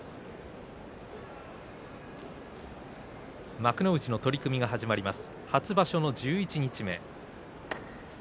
幕内の取組が始まります。